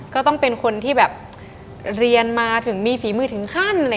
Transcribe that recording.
ก็ต้องเป็นคนที่แบบเรียนมาถึงมีฝีมือถึงขั้น